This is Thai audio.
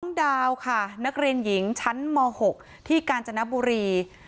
ดาวค่ะนักเรียนหญิงชั้นม๖ที่กาญจนบุรี